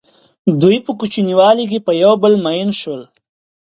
دوی په کوچنیوالي کې په یو بل مئین شول.